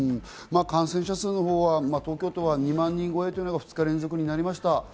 感染者数は東京都は２万人超えが２日連続となりました。